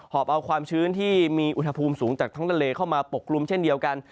อบเอาความชื้นที่มีอุณหภูมิสูงจากท้องทะเลเข้ามาปกกลุ่มเช่นเดียวกัน